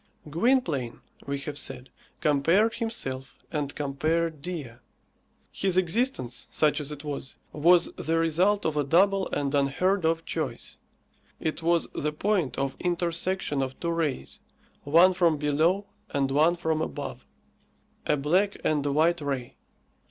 Gwynplaine, we have said, compared himself and compared Dea. His existence, such as it was, was the result of a double and unheard of choice. It was the point of intersection of two rays one from below and one from above a black and a white ray.